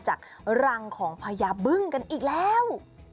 จากรังของพญาบึ้งกันอีกแล้ว